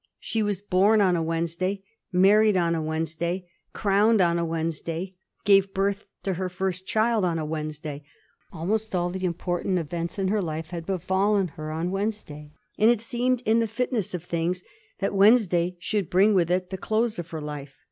She was born on a Wednesday, married on a Wednesday, crowned on a Wednesday, gave birth to her first child on a Wednesday; almost all the important events of her life had befallen her on Wednes day, and it seemed in the fitness of things that Wednesday should bring with it the close of that life.